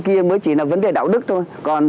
kia mới chỉ là vấn đề đạo đức thôi còn